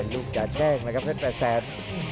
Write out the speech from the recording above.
ลูกจะแจ้งนะครับเพชรแปดแซน